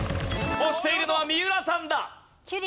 押しているのは三浦さんだ。